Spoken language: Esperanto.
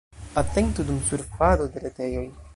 Atentu dum surfado de retejoj.